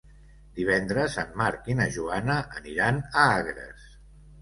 Divendres en Marc i na Joana aniran a Agres.